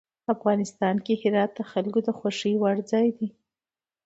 افغانستان کې هرات د خلکو د خوښې وړ ځای دی.